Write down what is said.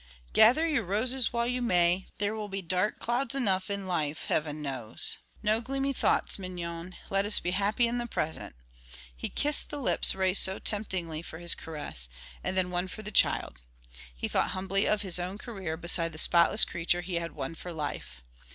"Gather your roses while you may, there will be dark clouds enough in life, heaven knows. No gloomy thoughts, Mignon; let us be happy in the present." He kissed the lips raised so temptingly for his caress, and then one for the child. He thought humbly of his own career beside the spotless creature he had won for life.